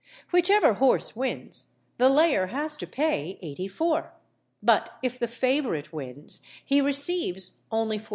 Whichever horse wins, the layer has to pay 84_l._; but if the favourite wins, he receives only 42_l.